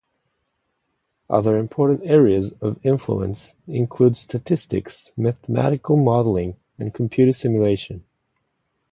Other important areas of influence include statistics, mathematical modeling and computer simulation.